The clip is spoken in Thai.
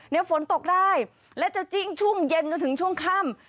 ฝนตกได้และจะจิ้งช่วงเย็นจนถึงช่วงค่ำ